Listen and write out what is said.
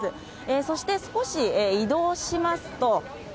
そして、少し移動しますと。